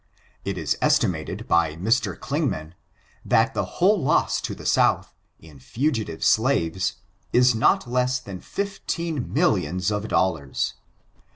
It is estimated by Mr. Clingman, that the whole loss to the South, in fugitive slaves, is not less than fifteen millions of dollars.